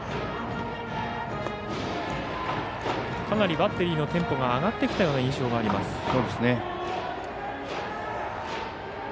かなりバッテリーのテンポが上がってきた印象があります。